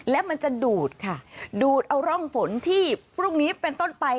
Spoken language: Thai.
และมันจะดูดค่ะดูดเอาร่องฝนที่พรุ่งนี้เป็นต้นไป